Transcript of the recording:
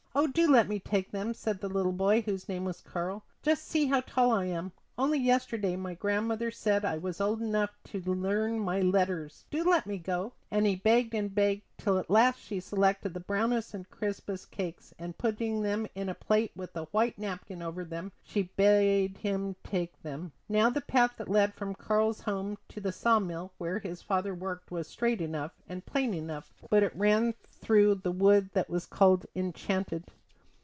"Oh, do let me take them," said the little boy, whose name was Karl. "Just see how tall I am. And only yesterday my grandmother said I was old enough to learn my letters. Do let me go!" And he begged and begged till at last she selected the brownest and crispest cakes, and putting them in a plate with a white napkin over them she bade him take them. Now the path that led from Karl's home to the saw mill where his father worked was straight enough, and plain enough, but it ran through the wood that was called Enchanted.